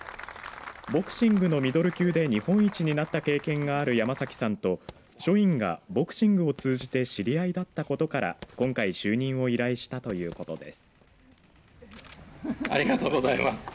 ボクシングのミドル級で日本一になった経験がある山崎さんと署員がボクシングを通じて知り合いだったことから今回、就任を依頼したということです。